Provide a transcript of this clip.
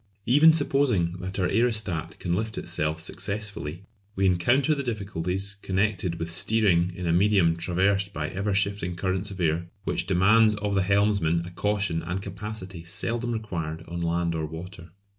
Even supposing that our aerostat can lift itself successfully, we encounter the difficulties connected with steering in a medium traversed by ever shifting currents of air, which demands of the helmsman a caution and capacity seldom required on land or water.